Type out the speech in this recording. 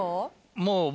もう僕。